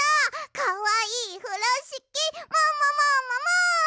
かわいいふろしきももももも。